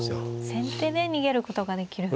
先手で逃げることができる。